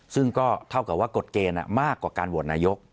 ซึ่งก็เท่ากับว่ากฎเกณฑ์มากกว่าการโหวตนายก